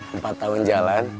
empat tahun jalan